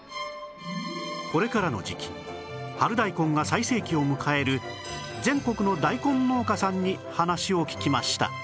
これからの時期春大根が最盛期を迎える全国の大根農家さんに話を聞きました